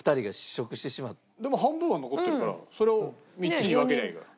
でも半分は残ってるからそれを３つに分けりゃいいから。